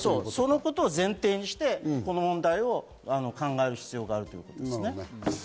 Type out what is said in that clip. そのことを前提にしてこの問題を考える必要があるんですね。